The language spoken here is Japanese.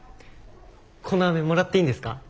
このあめもらっていいんですか？